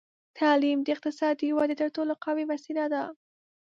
تعلیم د اقتصادي ودې تر ټولو قوي وسیله ده.